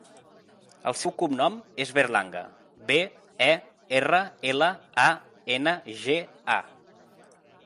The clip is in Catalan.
El seu cognom és Berlanga: be, e, erra, ela, a, ena, ge, a.